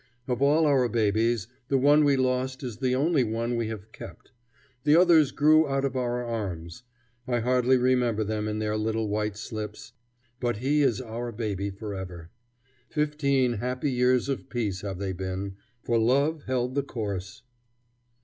Of all our babies, the one we lost is the only one we have kept. The others grew out of our arms; I hardly remember them in their little white slips. But he is our baby forever. Fifteen happy years of peace have they been, for love held the course.